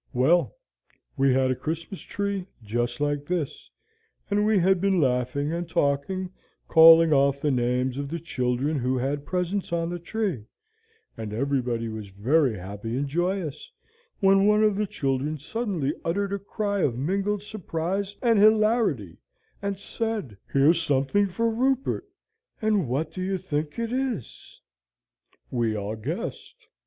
"Well, we had a Christmas tree just like this, and we had been laughing and talking, calling off the names of the children who had presents on the tree, and everybody was very happy and joyous, when one of the children suddenly uttered a cry of mingled surprise and hilarity, and said, 'Here's something for Rupert; and what do you think it is?' "We all guessed.